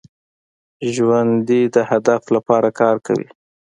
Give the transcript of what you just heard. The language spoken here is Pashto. ژوندي د هدف لپاره کار کوي